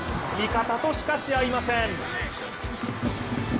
味方と、しかし合いません。